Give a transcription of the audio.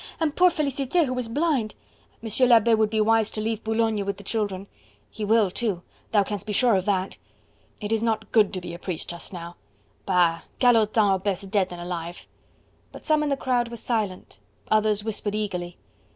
"And poor Felicite, who is blind!" "M. l'Abbe would be wise to leave Boulogne with the children." "He will too: thou canst be sure of that!" "It is not good to be a priest just now!" "Bah! calotins are best dead than alive." But some in the crowd were silent, others whispered eagerly.